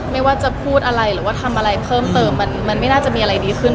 ไม่ว่าจะพูดอะไรหรือว่าทำอะไรเพิ่มเติมมันไม่น่าจะมีอะไรดีขึ้น